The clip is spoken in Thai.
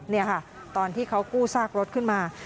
นี่ค่ะตอนที่เขากู้ซากรถขึ้นมา